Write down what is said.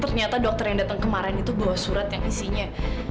ternyata dokter yang datang kemarin itu bawa surat yang isinya